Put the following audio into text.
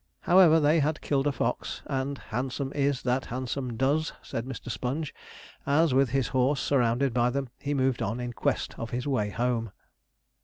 However, they had killed a fox, and 'Handsome is that handsome does,' said Mr. Sponge, as, with his horse surrounded by them, he moved on in quest of his way home.